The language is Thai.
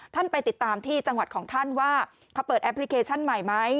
ไปติดตามที่จังหวัดของท่านว่าเขาเปิดแอปพลิเคชันใหม่ไหม